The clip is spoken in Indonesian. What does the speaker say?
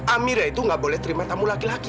amira itu nggak boleh terima tamu laki laki